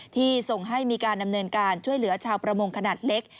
ที่ส่งให้มีการดำเนินการช่วยเหลือชาวประมงขนาดเล็ก